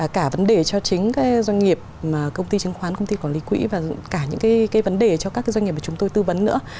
cả vấn đề cho chính các doanh nghiệp mà công ty chứng khoán công ty quản lý quỹ và cả những cái vấn đề cho các doanh nghiệp mà chúng tôi tư vấn nữa